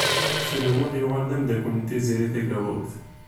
Ḥsen U Muḥ yuɣal d amdakel n Tiziri Tagawawt.